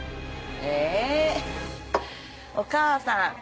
えお母さん。